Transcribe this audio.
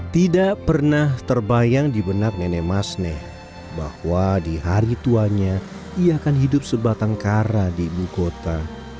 tidak pernah terbayang di benak nenek masneh bahwa di hari tuanya ia akan hidup sebatang kara di ibu kota